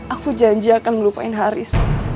aku janji akan melupain haris